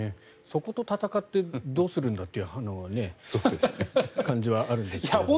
そこと闘ってどうするんだという感じはあるんですけどね。